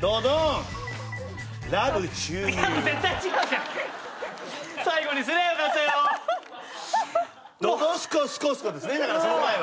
ドドスコスコスコですねだからその前は。